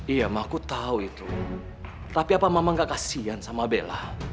iya mah aku tahu itu tapi apa mama gak kasian sama bella